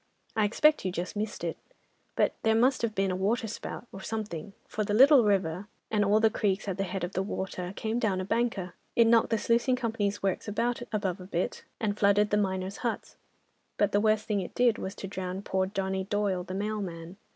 I expect you just missed it, but there must have been a waterspout or something, for the Little River, and all the creeks at the head of the water, came down a banker. It knocked the sluicing company's works about, above a bit, and flooded the miners' huts—but the worst thing it did was to drown poor Johnny Doyle the mailman.